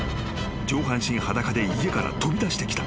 上半身裸で家から飛び出してきた］